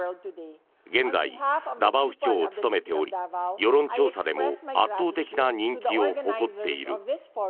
現在、ダバオ市長を務めており世論調査でも圧倒的な人気を誇っている。